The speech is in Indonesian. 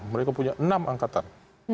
mereka punya enam angkatan